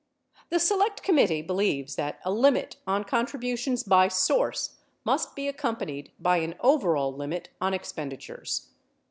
The Select Committee believes that a limit on contributions by source must be accompanied by an overall limit on expenditures.